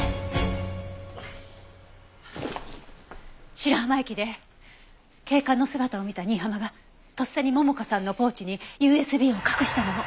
白浜駅で警官の姿を見た新浜がとっさに桃香さんのポーチにＵＳＢを隠したのも。